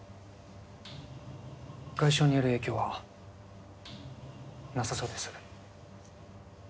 外傷による影響はなさそうです。